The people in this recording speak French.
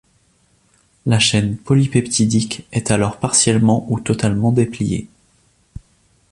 La chaîne polypeptidique est alors partiellement ou totalement dépliée.